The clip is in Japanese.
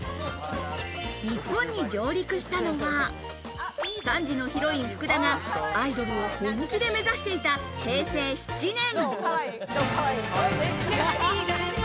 日本に上陸したのは３時のヒロイン・福田がアイドルを本気で目指していた、平成７年。